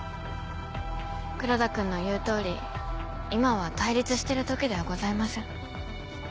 黒田君の言う通り今は対立してる時ではございません。